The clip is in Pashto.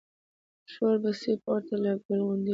شور به سي پورته له ګل غونډیو